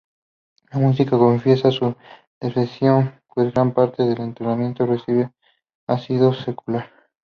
La Música confiesa su decepción pues gran parte del entretenimiento reciente ha sido secular.